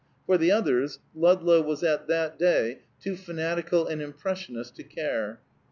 For the others, Ludlow was at that day too fanatical an impressionist to care.